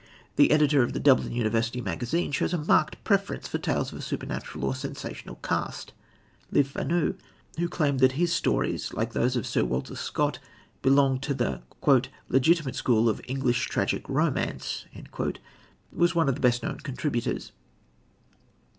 The editor of the Dublin University Magazine shows a marked preference for tales of a supernatural or sensational cast. Le Fanu, who claimed that his stories, like those of Sir Walter Scott, belonged to the "legitimate school of English tragic romance," was one of the best known contributors.